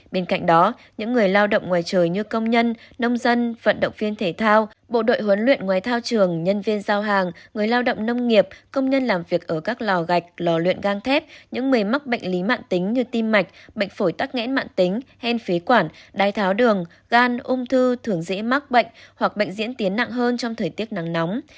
bên cạnh đó những người lao động ngoài trời như công nhân nông dân vận động viên thể thao bộ đội huấn luyện ngoài thao trường nhân viên giao hàng người lao động nông nghiệp công nhân làm việc ở các lò gạch lò luyện gan thép những người mắc bệnh lý mạng tính như tim mạch bệnh phổi tắc nghẽn mạng tính hen phế quản đai tháo đường gan ung thư thường dĩ mắc bệnh hoặc bệnh diễn tiến nặng hơn trong thời tiết nắng nóng